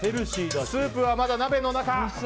スープはまだ鍋の中！